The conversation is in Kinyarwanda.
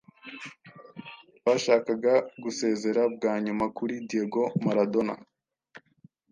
bashakaga gusezera bwa nyuma kuri Diego Maradona